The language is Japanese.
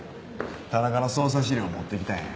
田中の捜査資料持ってきたんや。